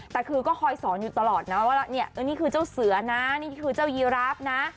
แต่คือก็คอยสอนอยู่ตลอดนะว่าเนี่ยนี่คือเจ้าเสือนะนี่คือเจ้ายีราฟนะ